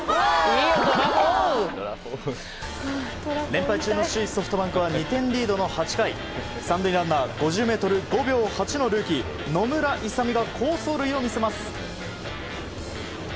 連敗中の首位ソフトバンクは２点リードの８回３塁ランナー５０ｍ、５秒８のルーキー野村勇が好走塁を見せます。